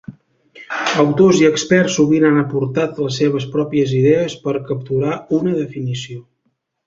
Autors i experts sovint han aportat les seves pròpies idees per capturar una definició.